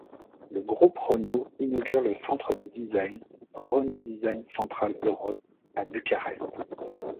Le Groupe Renault innaugure le Centre de design, Renault Design Central Europe, à Bucarerst.